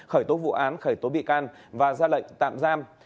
khởi tố vụ án khởi tố bị can và ra lệnh tạm giam